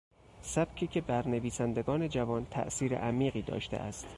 سبکی که بر نویسندگان جوان تاثیر عمیقی داشته است